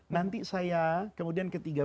nanti saya kemudian ketiga